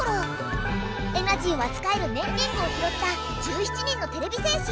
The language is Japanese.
エナジーをあつかえる「ねんリング」をひろった１７人のてれび戦士。